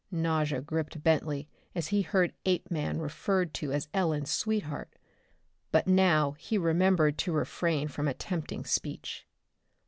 Nausea gripped Bentley as he heard Apeman referred to as Ellen's sweetheart, but now he remembered to refrain from attempting speech.